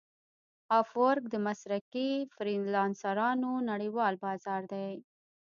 افورک د مسلکي فریلانسرانو نړیوال بازار دی.